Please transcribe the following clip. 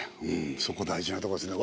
そこ大事なとこですね